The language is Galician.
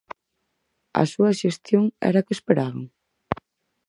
A súa xestión era a que esperaban?